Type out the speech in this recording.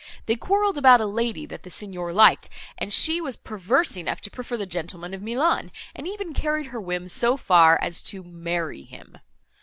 They quarrelled about a lady, that the Signor liked, and she was perverse enough to prefer the gentleman of Milan, and even carried her whim so far as to marry him.